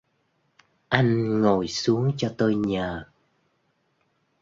Anh ngồi xuống cho tôi nhờ